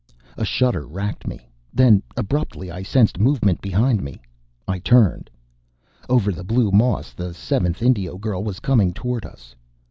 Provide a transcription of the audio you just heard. A shudder racked me. Then, abruptly I sensed movement behind me. I turned.... Over the blue moss the seventh Indio girl was coming toward us.